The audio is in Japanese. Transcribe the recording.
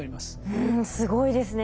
うんすごいですね。